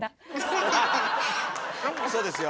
そうですよ。